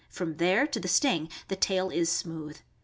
From there to the sting the tail is smooth.